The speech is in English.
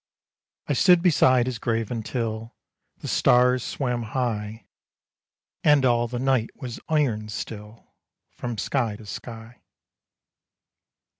I stood beside his grave until The stars swam high, And all the night was iron still From sky to sky.